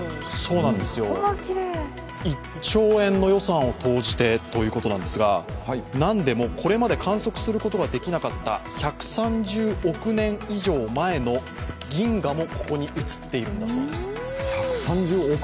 １兆円の予算を投じてということなんですが、なんでも、これまで観測することができなかった１３０億年以上前の銀河もここに写っているんだそうです。